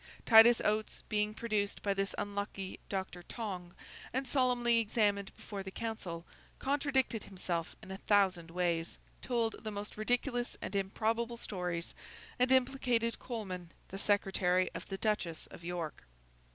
Titus Oates, being produced by this unlucky Dr. Tonge and solemnly examined before the council, contradicted himself in a thousand ways, told the most ridiculous and improbable stories, and implicated Coleman, the Secretary of the Duchess of York.